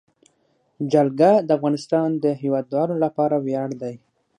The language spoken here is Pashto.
جلګه د افغانستان د هیوادوالو لپاره ویاړ دی.